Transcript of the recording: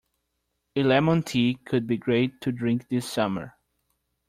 A lemon tea could be great to drink this summer.